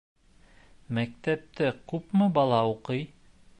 Мәктәптә күпме бала уҡый?